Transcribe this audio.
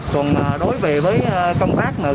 còn đối với công tác